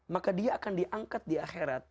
maka dia akan diangkat di akhirat